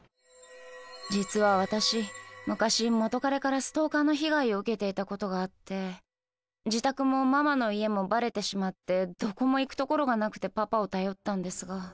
実は私昔元彼からストーカーの被害を受けていたことがあって自宅もママの家もバレてしまってどこも行く所がなくてパパを頼ったんですが。